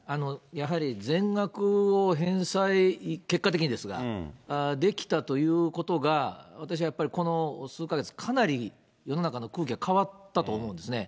やはり全額を返済、結果的にですが、できたということが、私はやっぱり、この数か月、かなり世の中の空気が変わったと思うんですね。